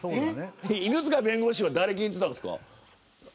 犬塚弁護士は誰を聞いていましたか。